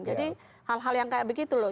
jadi hal hal yang kayak begitu loh